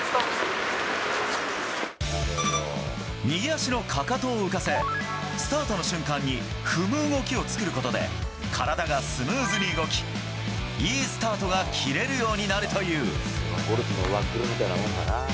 右足のかかとを浮かせスタートの瞬間に踏む動きを作ることで体がスムーズに動きいいスタートが切れるようになるという。